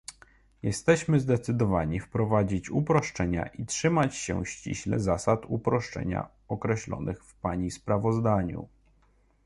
Jesteśmy zdecydowani wprowadzić uproszczenia i trzymać się ściśle zasad upraszczania określonych w pani sprawozdaniu